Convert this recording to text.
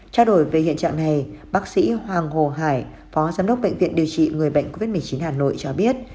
trao đổi về hiện trạng này bác sĩ hoàng hồ hải phó giám đốc bệnh viện điều trị người bệnh covid một mươi chín hà nội cho biết